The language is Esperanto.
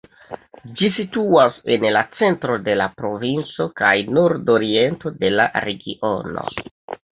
Ĝi situas en la centro de la provinco kaj nordoriento de la regiono.